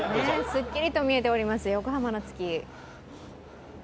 すっきりと見えております、横浜の月。